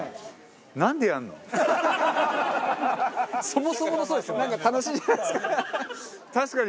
そもそものそうですよね。